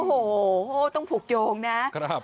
โอ้โหต้องผูกโยงนะ